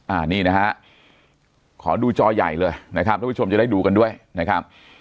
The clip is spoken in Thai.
อันนี้นะฮะขอดูจอใหญ่เลยนะครับทุกผู้ชมจะได้ดูกันด้วยนะครับ